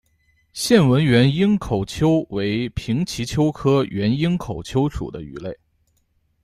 线纹原缨口鳅为平鳍鳅科原缨口鳅属的鱼类。